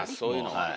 はい。